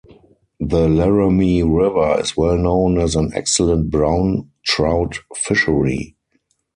The Laramie River is well known as an excellent brown trout fishery.